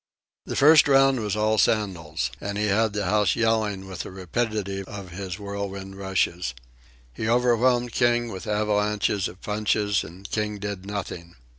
The first round was all Sandel's, and he had the house yelling with the rapidity of his whirlwind rushes. He overwhelmed King with avalanches of punches, and King did nothing.